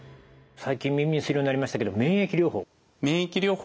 最近耳にするようになりましたけど免疫療法。